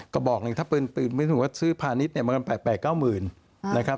ก็บอกถ้าซื้อพาณิชย์มันก็แปลก๙๐๐๐๐บาท